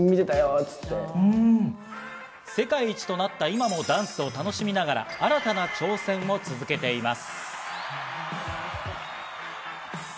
世界一となった今もダンスを楽しみながら、新たな挑戦を続けています。